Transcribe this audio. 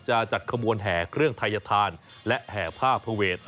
จะจัดขบวนแห่เครื่องไทยธานและแห่ผ้าพระเวท